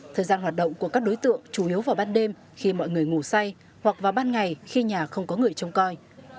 thời gian hoạt động của các đối tượng chủ yếu vào ban đêm khi mọi người ngủ say hoặc vào ban ngày khi nhà không có người trông coi